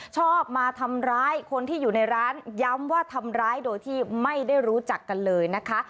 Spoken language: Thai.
ชอบมาทำร้ายคนที่อยู่ในร้านย้ำว่าทำร้ายโดยที่ไม่ได้รู้จักกันเลยนะคะ